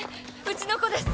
うちの子です。